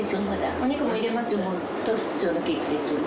お肉も入れます。